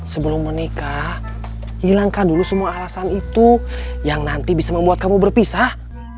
sebelum menikah hilangkan dulu semua alasan itu yang nanti bisa membuat kamu berpisah